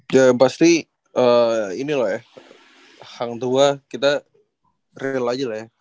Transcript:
ya yang pasti ini loh ya hang tua kita real aja lah ya